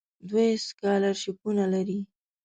دوی سکالرشیپونه لري.